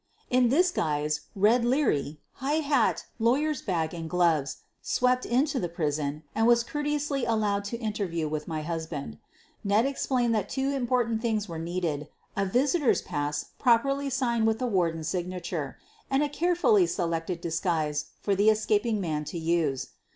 In this guise "Red" Leary, high hat, lawyer's bag and gloves, swept into the prison and was courteously allowed an interview with my husband. Ned explained that two important things were needed — a visitor's pass properly signed with the Warden's signature, and a carefully selected dis guise for the escaping man to use.